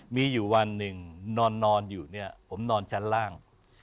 มีอยู่วันหนึ่งนอนอยู่เนี่ยผมนอนชั้นล่าง